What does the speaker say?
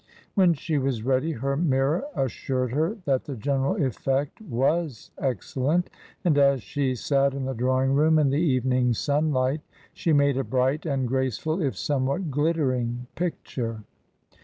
When she was ready, her mirror assured her that the general effect was excellent, and as she sat in the draw ing room in the evening sunlight, she made a bright and graceful if somewhat glittering picture.